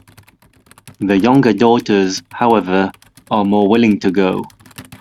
The younger daughters, however, are more willing to go.